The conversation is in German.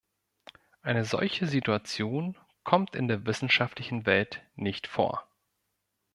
Eine solche Situation kommt in der wissenschaftlichen Welt nicht vor.